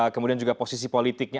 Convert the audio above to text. kemudian juga posisi politiknya